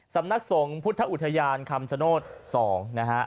สำนักสงฆ์พุทธอุทยานคำชโนธ๒นะฮะ